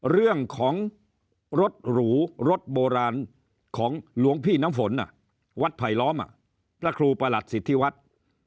เรื่องของรถหรูรถโบราณของหลวงพี่น้ำฝนวัดไผลล้อมพระครูประหลัดสิทธิวัฒน์